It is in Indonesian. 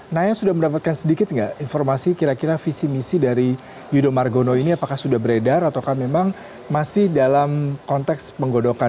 naya sudah mendapatkan sedikit nggak informasi kira kira visi misi dari yudho margono ini apakah sudah beredar atau memang masih dalam konteks penggodokan